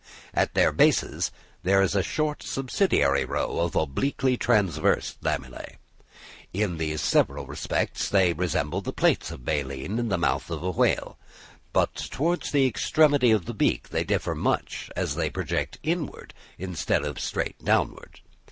At their bases there is a short subsidiary row of obliquely transverse lamellæ. In these several respects they resemble the plates of baleen in the mouth of a whale. But towards the extremity of the beak they differ much, as they project inward, instead of straight downward.